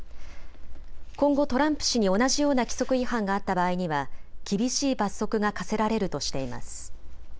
今後、トランプ氏に同じような規則違反があった場合には厳しい罰則が科せられるとしています。